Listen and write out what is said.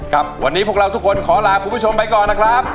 ครับวันนี้พวกเราทุกคนขอลาคุณผู้ชมไปก่อนนะครับ